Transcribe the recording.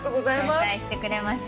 紹介してくれました。